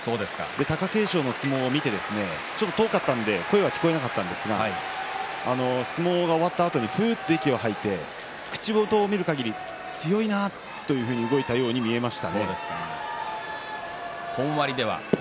貴景勝の相撲を見てちょっと遠かったので声は聞こえなかったんですが相撲が終わったあとに息を吐いて口元を見るかぎり強いなというように動いたように見えました。